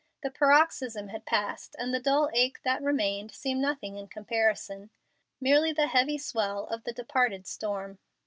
The paroxysm had passed, and the dull ache that remained seemed nothing in comparison merely the heavy swell of the departed storm.